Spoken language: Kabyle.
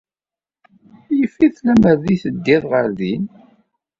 Yif-it lemmer d ay teddiḍ ɣer din.